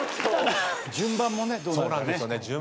順番もねどうなるか。